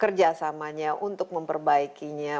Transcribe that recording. kerjasamanya untuk memperbaikinya